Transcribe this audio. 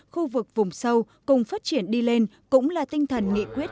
khu vực vùng sâu cùng phát triển đi lên cũng là tinh thần nghị quyết